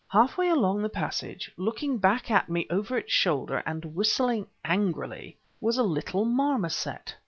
Half way along the passage, looking back at me over its shoulder, and whistling angrily, was a little marmoset!